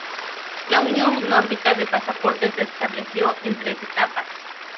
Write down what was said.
La Unión Nórdica de Pasaportes se estableció en tres etapas.